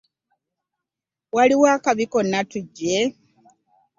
Waliwo akabi konna tujje?